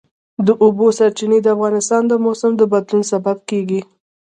د اوبو سرچینې د افغانستان د موسم د بدلون سبب کېږي.